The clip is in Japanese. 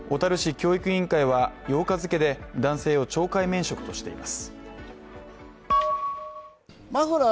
教育委員会は８日付で男性を懲戒免職としています。